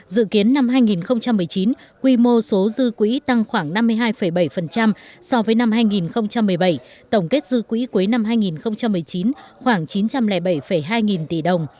dự kiến năm hai nghìn một mươi chín quy mô số dư quỹ tăng khoảng năm mươi hai bảy so với năm hai nghìn một mươi bảy tổng kết dư quỹ cuối năm hai nghìn một mươi chín khoảng chín trăm linh bảy hai nghìn tỷ đồng